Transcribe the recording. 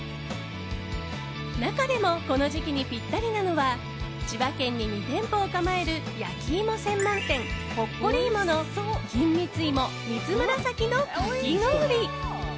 中でもこの時期にぴったりなのは千葉県に２店舗を構える焼き芋専門店ほっこり芋の金蜜芋×蜜むらさきのかき氷。